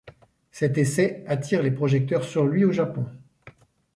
Cet essai attire les projecteurs sur lui au Japon.